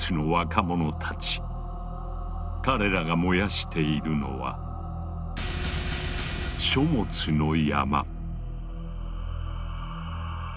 彼らが燃やしているのは書物の山。